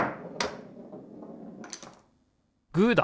グーだ！